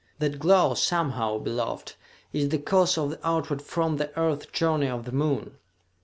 That glow, somehow, beloved, is the cause of the outward from the Earth journey of the Moon!